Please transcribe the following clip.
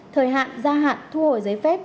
thời hạn gia hạn thu hồi giấy phép